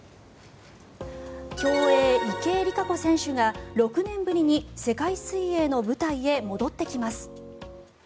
競泳、池江璃花子選手が６年ぶりに世界水泳の舞台へ戻ってきます。